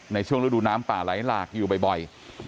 ในช่วงฤดูน้ำป่าไหลหลากอยู่บ่อย